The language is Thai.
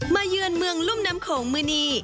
เยือนเมืองรุ่มน้ำโขงมือนี่